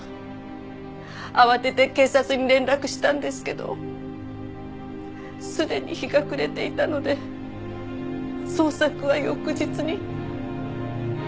慌てて警察に連絡したんですけどすでに日が暮れていたので捜索は翌日に。